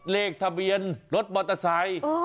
เลขทะเบียนรถมอเตอร์ไซค์